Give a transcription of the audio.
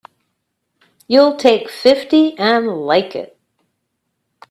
You'll take fifty and like it!